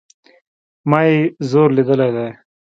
ما ئې زور ليدلى دئ